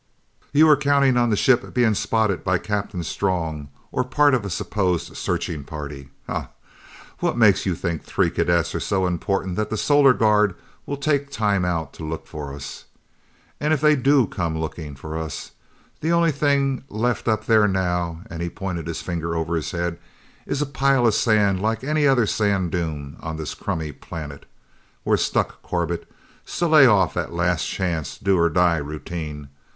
"You were counting on the ship being spotted by Captain Strong or part of a supposed searching party! Ha! What makes you think three cadets are so important that the Solar Guard will take time out to look for us? And if they do come looking for us, the only thing left up there now" he pointed his finger over his head "is a pile of sand like any other sand dune on this crummy planet. We're stuck, Corbett, so lay off that last chance, do or die routine.